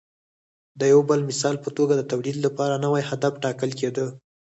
د یو بل مثال په توګه د تولید لپاره نوی هدف ټاکل کېده